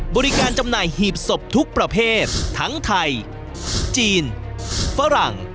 จำหน่ายหีบศพทุกประเภททั้งไทยจีนฝรั่ง